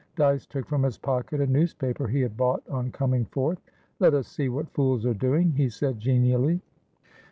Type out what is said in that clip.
Dyce took from his pocket a newspaper he had bought on coming forth. "Let us see what fools are doing," he said genially.